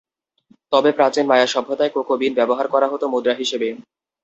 তবে প্রাচীন মায়া সভ্যতায় কোকো বিন ব্যবহার করা হতো মুদ্রা হিসেবে।